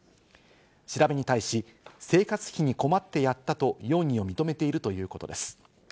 調べに対し生活費に困ってやったと容疑を認めているということです。